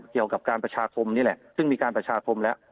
เกี่ยวกับการประชาคมนี่แหละซึ่งมีการประชาคมแล้ว